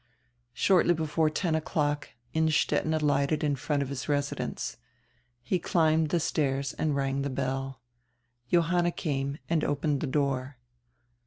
Shortly before ten o'clock Innstetten alighted in front of his residence. He climbed the stairs and rang the bell. Johanna came and opened the door.